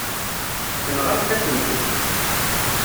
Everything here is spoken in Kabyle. Tenɣamt-asent-t.